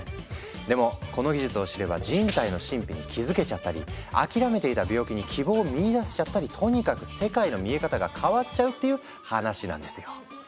でもこの技術を知れば人体の神秘に気付けちゃったり諦めていた病気に希望を見いだせちゃったりとにかく世界の見え方が変わっちゃうっていう話なんですよ。